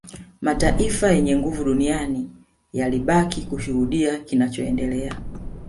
Mataifa yenye nguvu duniani yalibaki kushuhudia kinachoendelea